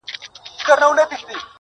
سره ناست وو د روغتون پۀ شنه چمن کې